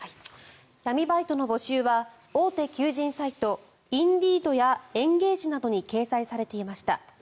闇バイトの募集は大手求人サイトＩｎｄｅｅｄやエンゲージなどに掲載されていました。